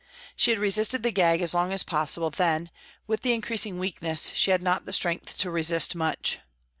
She had resisted the gag as long as possible, then, with the increasing weakness, she had not the strength to resist much.